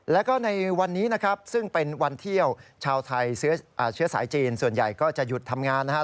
แล้วก็ในวันนี้นะครับซึ่งเป็นวันเที่ยวชาวไทยเชื้อสายจีนส่วนใหญ่ก็จะหยุดทำงานนะครับ